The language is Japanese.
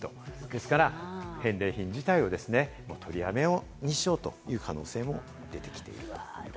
ですから返礼品自体を取りやめにしようという可能性も出てきているということです。